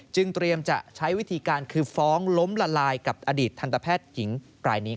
เตรียมจะใช้วิธีการคือฟ้องล้มละลายกับอดีตทันตแพทย์หญิงรายนี้